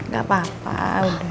gak apa apa udah